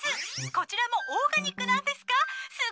こちらもオーガニックなんですか？